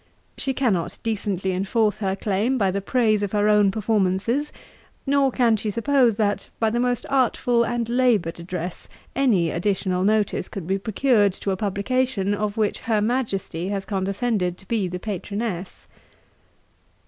She cannot decently enforce her claim by the praise of her own performances; nor can she suppose, that, by the most artful and laboured address, any additional notice could be procured to a publication, of which Her MAJESTY has condescended to be the PATRONESS.'